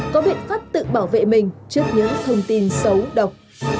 có biện pháp tự bảo vệ mình trước những thông tin xấu độc